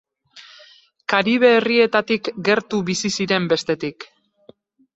Karibe herrietatik gertu bizi ziren, bestetik.